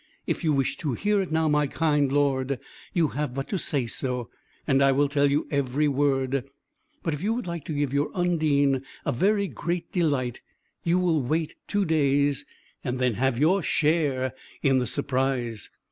If you wish to hear it, now, my kind lord, you have but to say so, and I will tell you every word. But if you like to give your Undine a very great delight, you will wait two days, and then have your share in the surprise."